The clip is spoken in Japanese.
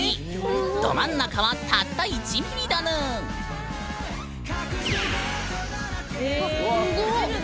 ど真ん中はたった１ｍｍだぬん。